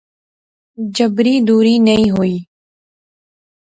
جبری دوری نئیں ہوںی